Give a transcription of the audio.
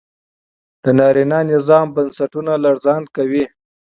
د نارينه نظام بنسټونه لړزانده کوي